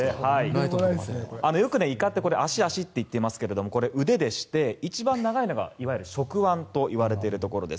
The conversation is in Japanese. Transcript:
よく、イカって足、足っていってますけれども腕でして、一番長いのがいわゆる触腕と言われているところです。